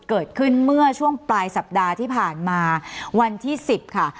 เกิดขึ้นเมื่อช่วงปลายสัปดาห์ที่ผ่านมาวันที่๑๐ค่ะ